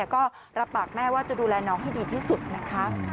ก็รับปากแม่ว่าจะดูแลน้องให้ดีที่สุดนะคะ